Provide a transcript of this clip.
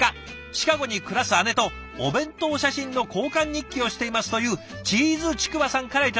「シカゴに暮らす姉とお弁当写真の交換日記をしています」というチーズちくわさんから頂きました。